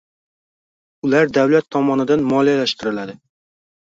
Ular davlat tomonidan moliyalashtiriladi.